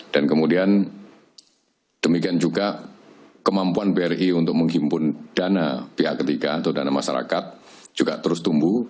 dan kemudian demikian juga kemampuan bri untuk menghimpun dana pihak ketiga atau dana masyarakat juga terus tumbuh